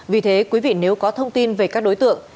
vì thế quý vị nếu có thông tin về các đối tượng